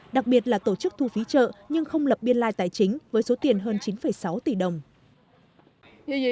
đặc biệt là tổ chức thu phí chợ nhưng không lập biên lai tài chính với số tiền hơn chín sáu tỷ đồng